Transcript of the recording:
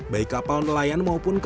baik kapal nelayan maupun kapal